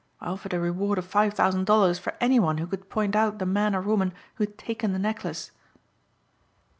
I offered a reward of five thousand dollars for any one who could point out the man or woman who had taken the necklace."